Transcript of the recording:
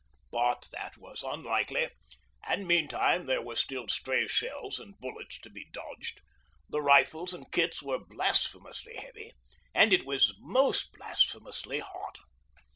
But that was unlikely, and meantime there were still stray shells and bullets to be dodged, the rifles and kits were blasphemously heavy, and it was most blasphemously hot.